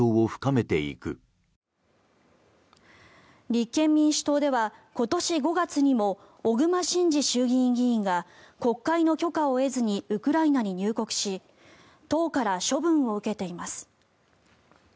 立憲民主党では今年５月にも小熊慎司衆議院議員が国会の許可を得ずにウクライナに入国し党から処分を受けています。